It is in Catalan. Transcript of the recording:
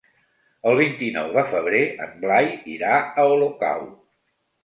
El vint-i-nou de febrer en Blai irà a Olocau.